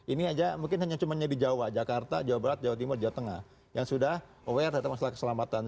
ini aja mungkin hanya cuma di jawa jakarta jawa barat jawa timur jawa tengah yang sudah aware tentang masalah keselamatan